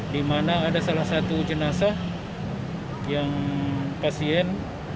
di mana ada salah satu jenazah yang pasien